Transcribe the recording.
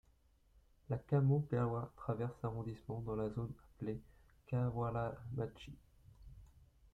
La Kamo-gawa traverse l'arrondissement dans la zone appelée Kawaramachi.